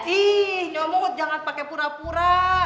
ih nyomud jangan pake pura pura